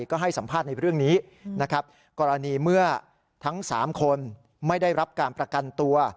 ก็ให้สัมภาษณ์ในเรื่องนี้นะครับกรณีเมื่อทั้ง๓คนไม่ได้รับการประกันตัว